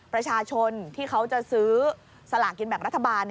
ประชาชนที่เขาจะซื้อสลากกินแบ่งรัฐบาล